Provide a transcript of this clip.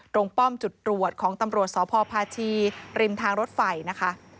ป้อมจุดตรวจของตำรวจสพพาชีริมทางรถไฟนะคะ